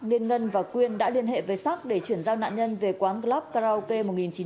nên ngân và quyên đã liên hệ về xác để chuyển giao nạn nhân về quán club karaoke một nghìn chín trăm chín mươi chín